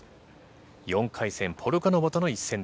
４回戦ポルカノバとの一戦。